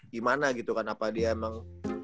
gimana gitu kan apa dia emang